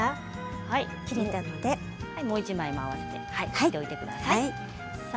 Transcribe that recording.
もう１枚もあわせて切っておいてください。